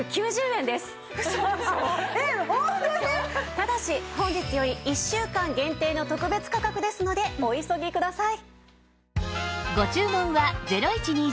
ただし本日より１週間限定の特別価格ですのでお急ぎください。